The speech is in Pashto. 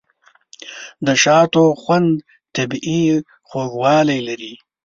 د شاتو خوند طبیعي خوږوالی لري.